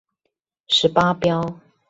十八標